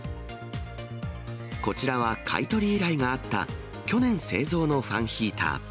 こちらは買い取り依頼があった、去年製造のファンヒーター。